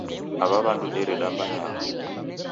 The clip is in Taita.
Aw'a w'andu deredambanyagha